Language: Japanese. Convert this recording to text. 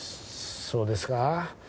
そうですか？